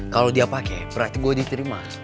kalo dia pake berarti gue diterima